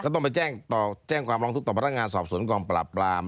ต้องไปแจ้งต่อแจ้งความร้องทุกข์ต่อพนักงานสอบสวนกองปราบปราม